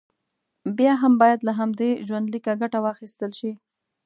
بیا هم باید له همدې ژوندلیکه ګټه واخیستل شي.